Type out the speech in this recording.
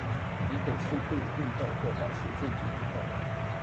以等速度運動或保持靜止不動